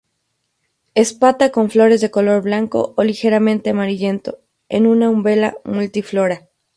Espata con flores de color blanco o ligeramente amarillento, en una umbela multiflora.